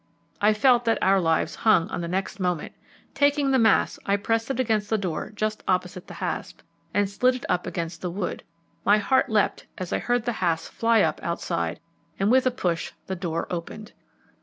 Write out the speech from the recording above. I felt that our lives hung on the next moment. Taking the mass, I pressed it against the door just opposite the hasp, and slid it up against the wood. My heart leapt as I heard the hasp fly up outside, and with a push the door opened.